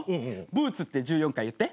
「ブーツ」って１４回言って。